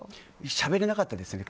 しゃべれなかったですね。